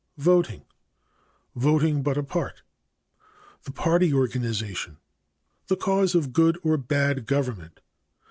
Voting. Voting but a part. The party organization. The cause of good or bad government.